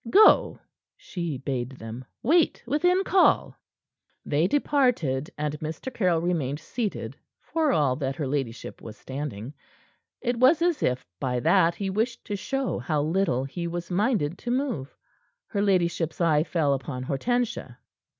"Go," she bade them. "Wait within call." They departed, and Mr. Caryll remained seated for all that her ladyship was standing; it was as if by that he wished to show how little he was minded to move. Her ladyship's eye fell upon Hortensia.